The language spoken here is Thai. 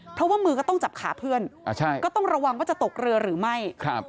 เพราะว่ามือก็ต้องจับขาเพื่อนก็ต้องระวังว่าจะตกเรือหรือไม่ครับ